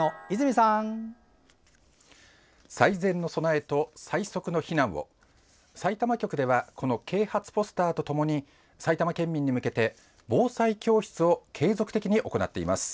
さいたま局ではこの啓発ポスターとともに埼玉県民に向けて防災教室を継続的に行っています。